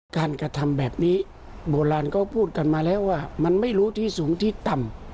การกระทำแบบนี้โบราณเขาพูดกันมาแล้วว่ามันไม่รู้ที่สูงที่ต่ำ